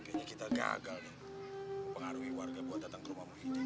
ini kita gagal nih pengaruhi warga buat datang ke rumah muhyiddin